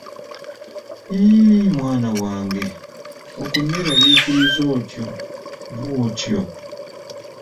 Yii mwana wange okuneerarikiriza otyo bw'otyo!